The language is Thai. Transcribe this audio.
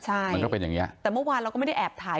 ใช่มันก็เป็นอย่างเงี้ยแต่เมื่อวานเราก็ไม่ได้แอบถ่าย